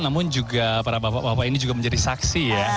namun juga para bapak bapak ini juga menjadi saksi ya